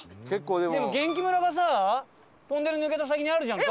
でも元気村がさトンネル抜けた先にあるじゃんか。